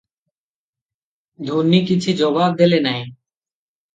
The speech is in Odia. ଧୂନି କିଛି ଜବାବ ଦେଲେ ନାହିଁ ।